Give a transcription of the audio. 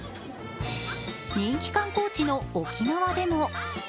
人気観光地の沖縄でも。